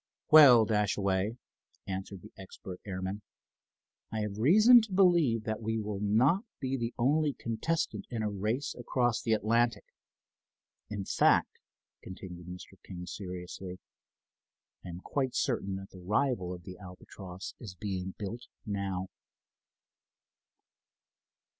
"Well, Dashaway," answered the expert airman, "I have reason to believe that we will not be the only contestant in a race across the Atlantic. In fact," continued Mr. King, seriously, "I am quite certain that the rival of the Albatross is being built now."